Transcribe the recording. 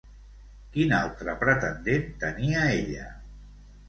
Quin altre pretendent tenia ella?